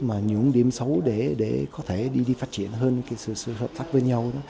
và những điểm xấu để để có thể đi đi phát triển hơn cái sự hợp tác với nhau đó